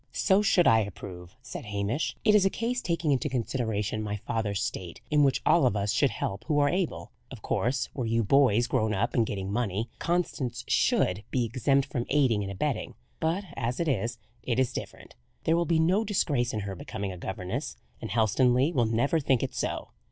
"So should I approve," said Hamish. "It is a case, taking into consideration my father's state, in which all of us should help who are able. Of course, were you boys grown up and getting money, Constance should be exempt from aiding and abetting; but as it is, it is different. There will be no disgrace in her becoming a governess; and Helstonleigh will never think it so.